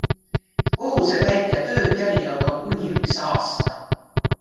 Kohusetäitja tööperiood on kuni üks aasta.